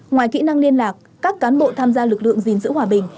ngoài kỹ năng liên lạc các cán bộ tham gia lực lượng gìn giữ hòa bình